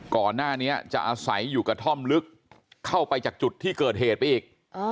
ก่อนหน้านี้จะอาศัยอยู่กระท่อมลึกเข้าไปจากจุดที่เกิดเหตุไปอีก